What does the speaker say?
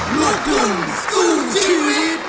สกุลสกุลชีวิต